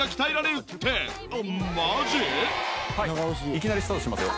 いきなりスタートしますよ。